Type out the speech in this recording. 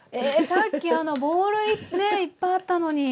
さっきあのボウルねいっぱいあったのに。